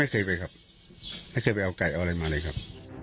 เคยไปครับไม่เคยไปเอาไก่เอาอะไรมาเลยครับ